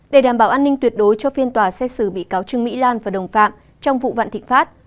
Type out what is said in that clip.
để đảm bảo an ninh tuyệt đối cho phiên tòa xét xử bị cáo trương mỹ lan và đồng phạm trong vụ vạn thịnh pháp